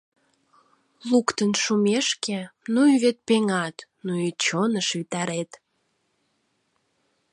Луктын шумешке, ну и вет пеҥат, ну и чоныш витарет...